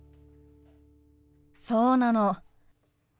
そうなの。